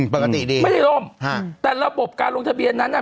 ปกติดีไม่ได้ร่มฮะแต่ระบบการลงทะเบียนนั้นอ่ะ